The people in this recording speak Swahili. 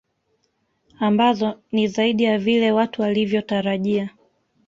Ambazo ni zaidi ya vile watu walivyotarajia